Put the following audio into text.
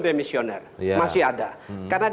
demisioner masih ada karena